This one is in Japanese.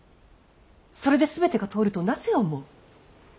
それで全てが通るとなぜ思う。